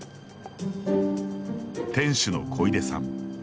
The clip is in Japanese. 店主の小出さん。